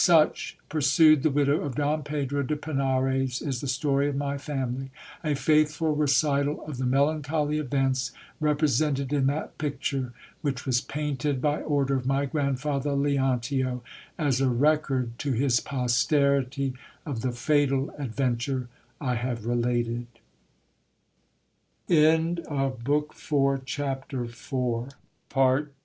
Such, pursued the widow of Don Pedro de Pinares, is the story of my family; a faithful recital of the melancholy events represented in that, picture, which was painted by order of my grandfather Leontio, as a record to his posterity of the fatal adventure I have